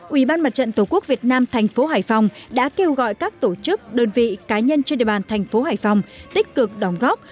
ubnd tổ quốc việt nam thành phố hải phòng đã kêu gọi các tổ chức đơn vị cá nhân trên địa bàn thành phố hải phòng tích cực đóng góp